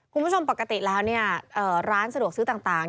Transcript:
คุณผู้ชมปกติแล้วร้านสะดวกซื้อต่าง